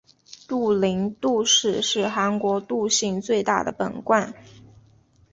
杜陵杜氏是韩国杜姓最大的本贯。